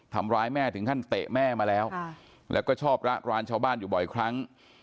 ทำร้ายแม่ถึงขั้นเตะแม่มาแล้วแล้วก็ชอบระรานชาวบ้านอยู่บ่อยครั้ง